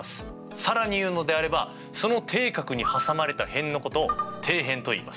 更に言うのであればその底角に挟まれた辺のことを底辺といいます。